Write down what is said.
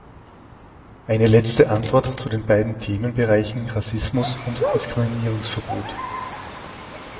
Eine letzte Antwort zu den beiden Themenbereichen Rassismus und Diskriminierungsverbot.